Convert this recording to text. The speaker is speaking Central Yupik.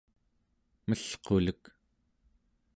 melqulek